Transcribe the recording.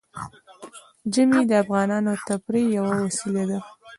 ژمی د افغانانو د تفریح یوه وسیله ده.